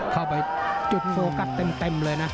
เข้าไปจุดโฟกัสเต็มเลยนะ